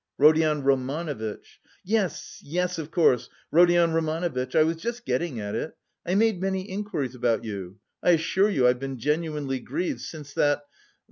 "Rodion Romanovitch." "Yes, yes, of course, Rodion Romanovitch! I was just getting at it. I made many inquiries about you. I assure you I've been genuinely grieved since that...